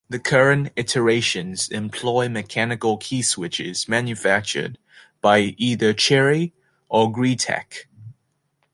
The current iterations employ mechanical keyswitches manufactured by either Cherry or Greetech.